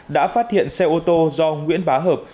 đã phát hiện xe ô tô do nguyễn bá hợp